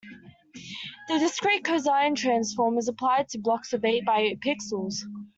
The discrete cosine transform is applied to blocks of eight by eight pixels.